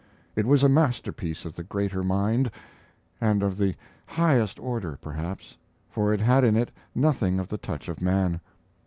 It was a masterpiece of the Greater Mind, and of the highest order, perhaps, for it had in it nothing of the touch of man.